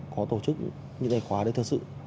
có tổ chức những cái khóa đấy thật sự